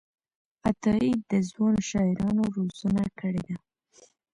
عطاييد ځوانو شاعرانو روزنه کړې ده.